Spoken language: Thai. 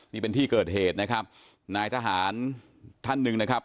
นี่เป็นที่เกิดเหตุนะครับนายทหารท่านหนึ่งนะครับ